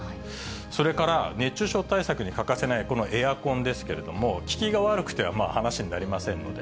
それから熱中症対策に欠かせない、このエアコンですけれども、効きが悪くては話になりませんので。